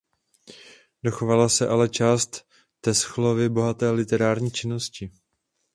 Dochovala se ale část Teschlovy bohaté literární činnosti.